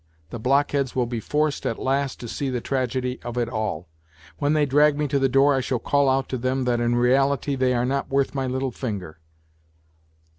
The blockheads will be forced at last to see the tragedy of it all ! When they drag me to the door I shall call out to them that in reality they are not worth my little finger.